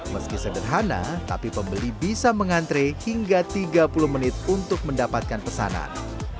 meski sederhana tapi pembeli bisa mengantre hingga tiga puluh menit untuk mendapatkan pesanan